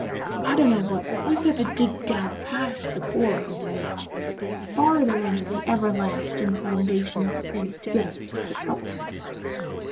I dunno but we've got to dig down past the poor and the rich, farther into the everlastin' foundations of things to get at what's the trouble."